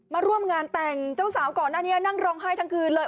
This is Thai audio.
มาร่วมงานแต่งเจ้าสาวก่อนหน้านี้นั่งร้องไห้ทั้งคืนเลย